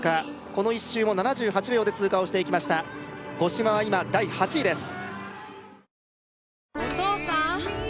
この１周も７８秒で通過をしていきました五島は今第８位です